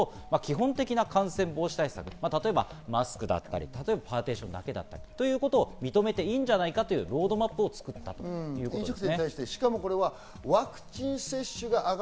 さらに改善されてきてレベル１になると基本的な感染防止対策、例えばマスクだったり、パーティションをつけたりということを認めていいんじゃないかというロードマップを作ったということですね。